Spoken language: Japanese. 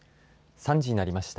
３時になりました。